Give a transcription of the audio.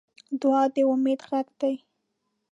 دعا د امید غږ دی.